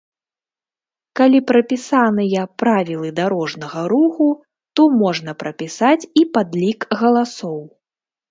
Калі прапісаныя правілы дарожнага руху, то можна прапісаць і падлік галасоў.